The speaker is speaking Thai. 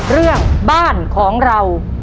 เรื่องบ้านของเรา